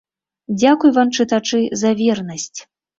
Дзякуй вам, чытачы, за вернасць!